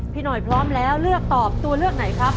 พี่หน่อยพร้อมแล้วเลือกตอบตัวเลือกไหนครับ